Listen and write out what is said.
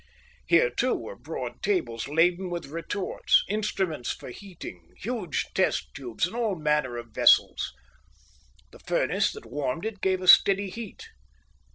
Here too were broad tables laden with retorts, instruments for heating, huge test tubes, and all manner of vessels. The furnace that warmed it gave a steady heat.